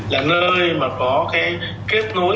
là nơi mà có cái kết nối